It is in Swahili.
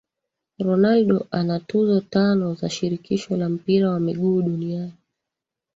Ronaldo ana tuzo tano za shirikisho la mpira wa miguu Duniani